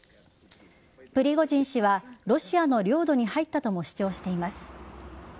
プリゴジン氏はロシアの領土に入ったとも主張しています。